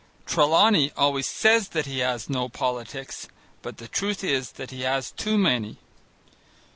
Trelawney always says that he has no politics, but the truth is that he has too many.